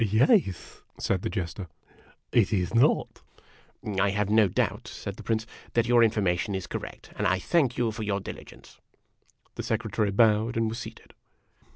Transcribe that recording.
" Yes," said the Jester ;" it is not." "I have no doubt," said the Prince, "that your information is correct; and I thank you for your diligence." The Secretary bowed and was seated.